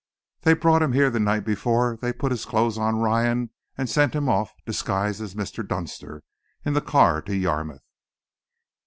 They brought him here the night before they put his clothes on Ryan and sent him off disguised as Mr. Dunster, in the car to Yarmouth."